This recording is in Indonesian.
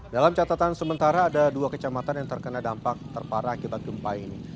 dalam catatan sementara ada dua kecamatan yang terkena dampak terparah akibat gempa ini